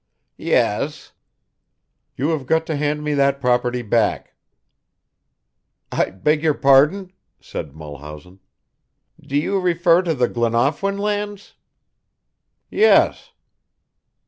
"Yes!" "You have got to hand me that property back." "I beg your pardon," said Mulhausen. "Do you refer to the Glanafwyn lands?" "Yes."